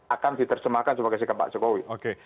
akan diterjemahkan sebagai sikap pak jokowi